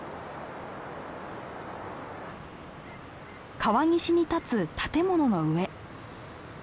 川岸に建つ建物の上。